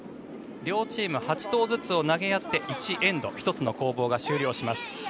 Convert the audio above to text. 両チーム８投ずつ投げ合って１エンド１つの攻防が終了します。